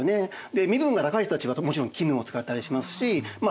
で身分が高い人たちはもちろん絹を使ったりしますしま